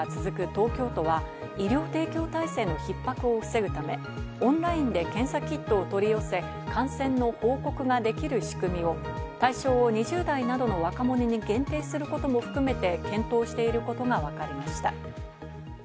東京都は、医療提供体制のひっ迫を防ぐため、オンラインで検査キットを取り寄せ、感染の報告ができる仕組みを対象を２０代などの若者に限定することも含めて検討していることがわかりました。